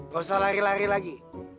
gak usah lari lari lagi